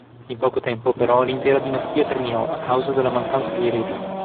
In poco tempo, però, l'intera dinastia terminò a causa della mancanza di eredi.